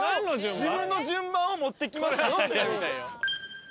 自分の順番を持ってきましたよっていう。